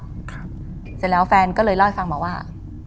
เสร็จแล้วแฟนก็เลยเล่าให้ฟังมาว่า